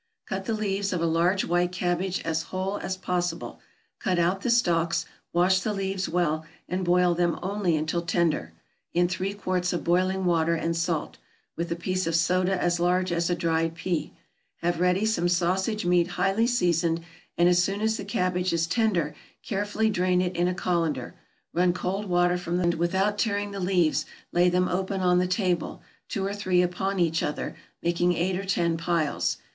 = Cut the leaves of a large white cabbage as whole as possible, cut out the stalks, wash the leaves well, and boil them only until tender, in three quarts of boiling water and salt, with a piece of soda as large as a dried pea; have ready some sausage meat highly seasoned, and as soon as the cabbage is tender carefully drain it in a colander, run cold water from the faucet over it, and, without tearing the leaves, lay them open on the table, two or three upon each other, making eight or ten piles.